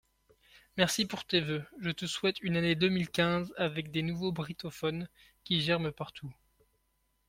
Merci pour tes vœux, je te souhaite une année deux mille quinze avec des nouveaux brittophones qui germent partout.